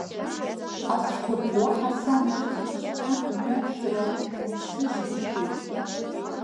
Ацәқәырԥ уаҳа самышьҭит, шьҭа мҩабжара унсыжьгәышьоит…